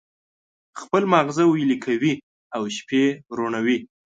خپل مازغه ویلي کوي او شپې روڼوي.